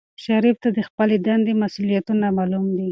شریف ته د خپلې دندې مسؤولیتونه معلوم دي.